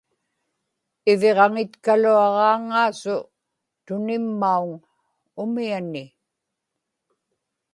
iviġaŋitkaluaġaaŋa-asu tunimmauŋ umiani